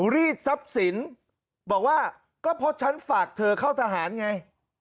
รีดทรัพย์สินบอกว่าก็เพราะฉันฝากเธอเข้าทหารไง